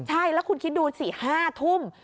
ใช่แล้วคุณคิดดูสิ๕ทุ่ม